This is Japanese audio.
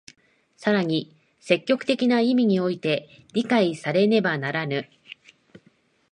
更に積極的な意味において理解されねばならぬ。